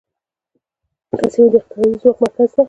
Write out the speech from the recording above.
دا سیمه د اقتصادي ځواک مرکز و